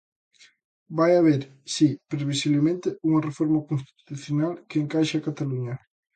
Vai haber, si, previsiblemente, unha reforma constitucional que encaixe a Cataluña.